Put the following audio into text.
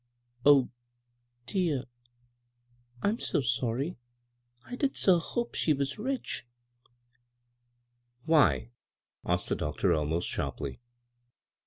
" O dear I I'm so sony. I did so ho[>e she was rich I " "Why?" asked the doctor, almost sharply.